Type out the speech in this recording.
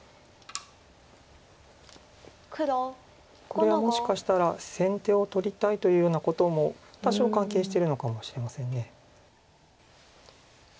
これはもしかしたら先手を取りたいというようなことも多少関係してるのかもしれません。